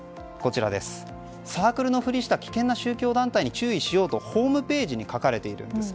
サークルのふりした危険な宗教団体に注意しようとホームページに書かれているんです。